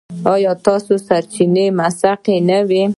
ایا ستاسو سرچینه به موثقه نه وي؟